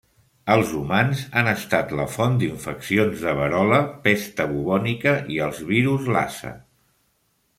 Els humans han estat la font d'infeccions de verola, pesta bubònica i els virus Lassa.